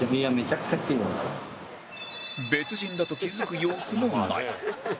別人だと気付く様子もない